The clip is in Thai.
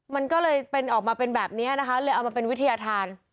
มันก็เลยเป็นออกมาเป็นแบบนี้นะคะเลยเอามาเป็นวิทยาธาร